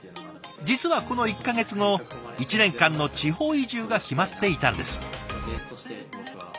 実はこの１か月後１年間の地方移住が決まっていたんです。